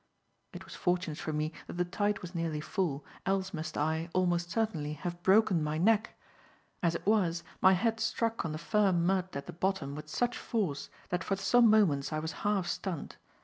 It was fortunate for me that the tide was nearly full, else must I, almost certainly, have broken my neck. As it was, my head struck on the firm mud at the bottom with such force, that for some moments I was half stunned.